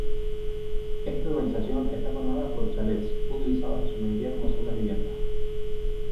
Esta urbanización está formada de chalets utilizados en su mayoría como segundas viviendas.